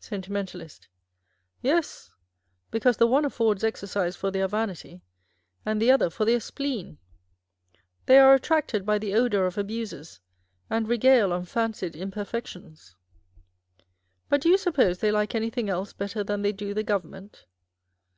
Sentimentalist. Yes; because the one affords exercise for their vanity, and the other for their spleen. They are attracted by the odour of abuses, and regale on fancied imperfections. But do you suppose they like anything else better than they do the Government